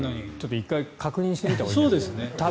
１回確認してみたほうがいいですね。